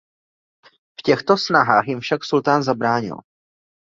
V těchto snahách jim však sultán zabránil.